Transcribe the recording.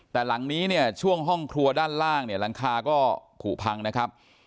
แต่หลังนี้เนี่ยช่วงห้องครัวด้านล่างเนี่ยหลังคาก็ผูกพังนะครับ